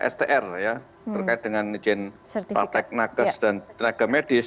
str ya terkait dengan izin praktek nakes dan tenaga medis